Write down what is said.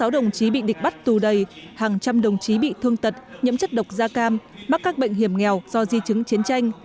sáu đồng chí bị địch bắt tù đầy hàng trăm đồng chí bị thương tật nhiễm chất độc da cam mắc các bệnh hiểm nghèo do di chứng chiến tranh